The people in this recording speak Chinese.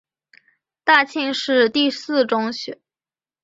大庆市第四中学。